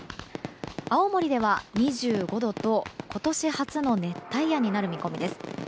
青森では２５度と、今年初の熱帯夜になる見込みです。